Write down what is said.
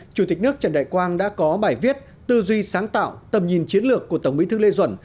chủ tịch nước trần đại quang đã có bài viết tư duy sáng tạo tầm nhìn chiến lược của tổng bí thư lê duẩn